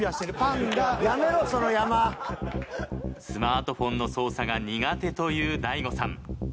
スマートフォンの操作が苦手という大悟さん。